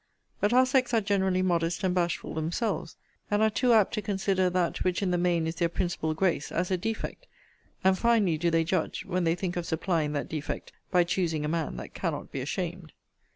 But our sex are generally modest and bashful themselves, and are too apt to consider that which in the main is their principal grace, as a defect: and finely do they judge, when they think of supplying that defect by choosing a man that cannot be ashamed.